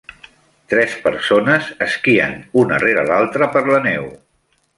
Tres persones esquien una rere l'altra per la neu.